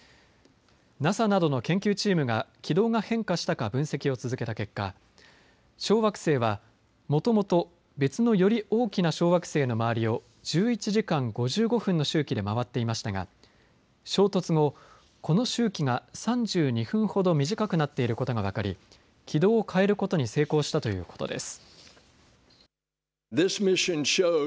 ＮＡＳＡなどの研究チームが軌道が変化したか分析を続けた結果、小惑星はもともと別のより大きな小惑星の周りを１１時間５５分の周期で回っていましたが衝突後、この周期が３２分ほど短くなっていることが分かり軌道を変えることに成功したということです。